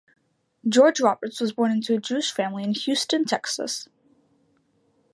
George Roberts was born into a Jewish family in Houston, Texas.